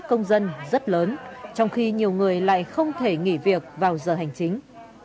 công dân rất lớn trong khi nhiều người lại không thể nghỉ việc vào giờ hành chính